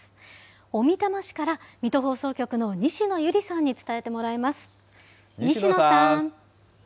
小美玉市から、水戸放送局の西野侑里さんの伝えてもらいます。